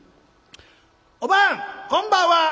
おばんこんばんは！